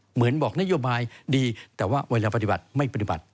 เหมือนบอกนโยบายดีแต่ว่าเวลาปฏิบัติไม่ปฏิบัติ